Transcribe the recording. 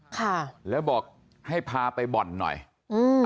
ค่ะแล้วบอกให้พาไปบ่อนหน่อยอืม